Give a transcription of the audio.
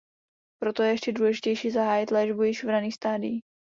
Proto je ještě důležitější zahájit léčbu již v raných stádiích.